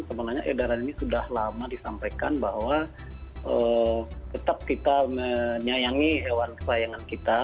sebenarnya edaran ini sudah lama disampaikan bahwa tetap kita menyayangi hewan kesayangan kita